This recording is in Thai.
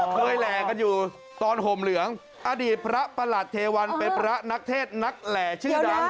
แหล่กันอยู่ตอนห่มเหลืองอดีตพระประหลัดเทวันเป็นพระนักเทศนักแหล่ชื่อดัง